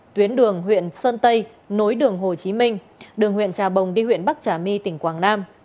tuyến đường huyện sơn tây nối đường hồ chí minh đường huyện trà bồng đi huyện bắc trà my tỉnh quảng nam